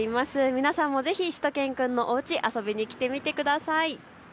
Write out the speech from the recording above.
皆さんもぜひしゅと犬くんのおうち遊びに来てみてください。